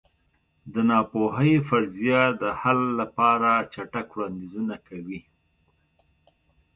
د ناپوهۍ فرضیه د حل لپاره چټک وړاندیزونه کوي.